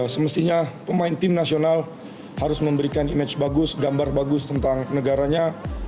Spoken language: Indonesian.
semestinya pemain tim nasional harus memberikan image bagus gambar bagus tentang negaranya